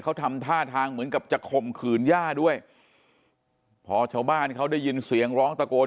เขาทำท่าทางเหมือนกับจะข่มขืนย่าด้วยพอชาวบ้านเขาได้ยินเสียงร้องตะโกน